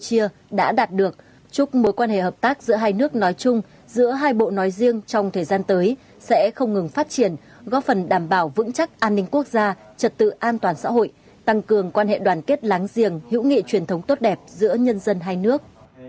chân thành cảm ơn bộ trưởng tô lâm đã đạt được chúc mối quan hệ hợp tác giữa hai nước nói chung giữa hai bộ nói riêng trong thời gian tới sẽ không ngừng phát triển góp phần đảm bảo vững chắc an ninh quốc gia trật tự an toàn xã hội tăng cường quan hệ đoàn kết láng giềng hữu nghị truyền thống tốt đẹp giữa nhân dân hai nước